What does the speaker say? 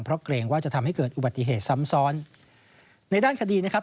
เพราะเกรงว่าจะทำให้เกิดอุบัติเหตุซ้ำซ้อนในด้านคดีนะครับ